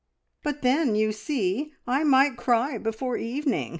"But then, you see, I might cry before evening!"